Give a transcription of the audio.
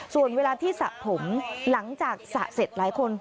ส่วนเวลาที่สระผมหลังจากสระเสร็จหลายคน